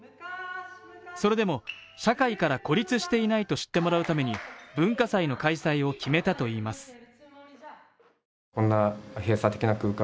それでも社会から孤立していないと知ってもらうために、文化祭の開催を決めたといいます。